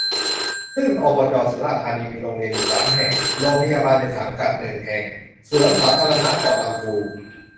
ซึ่ง อบจ สุราษฏร์ธานี มีโรงเรียนอยู่ สาม แห่ง โรงพยาบาลในสังกัด หนึ่ง แห่ง สวนสาธารณะเกาะลำพู